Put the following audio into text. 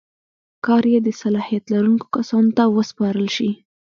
کار یې د صلاحیت لرونکو کسانو ته وسپارل شي.